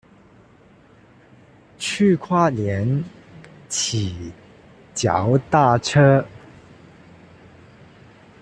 去花蓮騎腳踏車